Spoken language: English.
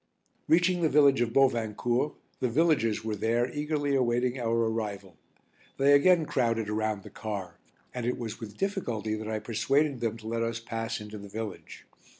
Reaching the village of Bovincourt, the villagers were there eagerly awaiting our arrival. They again crowded around the car, and it was with difficulty that I persuaded them to let us pass into the village.